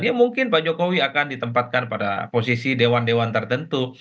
ya mungkin pak jokowi akan ditempatkan pada posisi dewan dewan tertentu